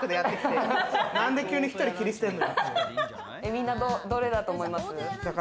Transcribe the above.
みんな、どれだと思います？